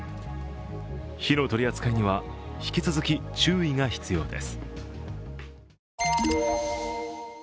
火の取り扱いには引き続き注意が必要です。